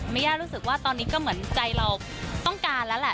ย่ารู้สึกว่าตอนนี้ก็เหมือนใจเราต้องการแล้วแหละ